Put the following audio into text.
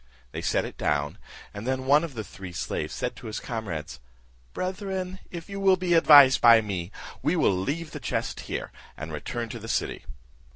They set it down, and then one of the three slaves said to his comrades, "Brethren, if you will be advised by me, we will leave the chest here, and return to the city."